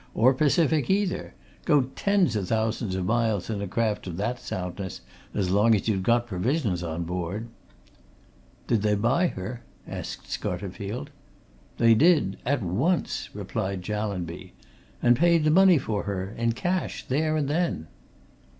"Or Pacific, either. Go tens o' thousands o' miles in a craft of that soundness, as long as you'd got provisions on board! "Did they buy her?" asked Scarterfield. "They did at once," replied Jallanby. "And paid the money for her in cash, there and then."